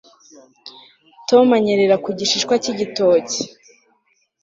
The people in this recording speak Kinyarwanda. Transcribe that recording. Tom anyerera ku gishishwa cyigitoki